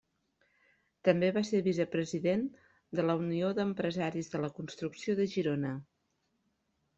També va ser vicepresident de la Unió d'Empresaris de la Construcció de Girona.